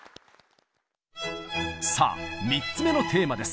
さあ３つ目のテーマです！